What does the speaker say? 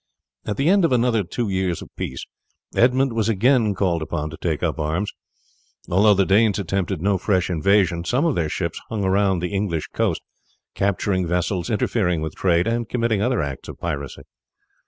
At the end of another two years of peace Edmund was again called upon to take up arms. Although the Danes attempted no fresh invasion some of their ships hung around the English coast, capturing vessels, interfering with trade, and committing other acts of piracy.